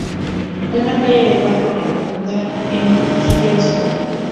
Una calle del barrio de Grünewald en Múnich lleva su nombre.